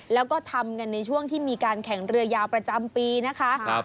แล้วก็ทำกันในช่วงที่มีการแข่งเรือยาวประจำปีนะคะ